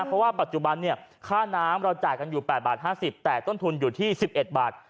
เพราะว่าปัจจุบันเนี่ยค่าน้ำเราจ่ายกันอยู่๘บาท๕๐แต่ต้นทุนอยู่ที่๑๑บาท